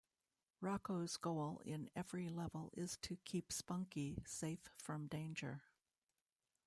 Rocko's goal in every level is to keep Spunky safe from danger.